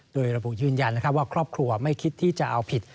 โดยระบุยืนยันว่าครอบครัวไม่คิดที่จะเอาผิด